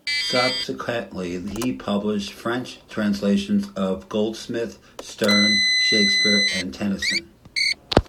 Subsequently he published French translations of Goldsmith, Sterne, Shakespeare, and Tennyson.